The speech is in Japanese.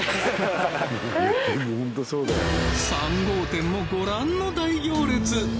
３号店もご覧の大行列